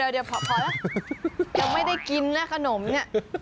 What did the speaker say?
เดี๋ยวพอแล้วยังไม่ได้กินนะขนมเนี่ย